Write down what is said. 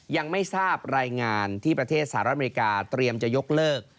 ยังไม่ทราบรายงานที่ประเทศสหรัฐอเมริกาเตรียมจะยกเลิก